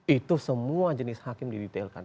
itu semua jenis hakim didetailkan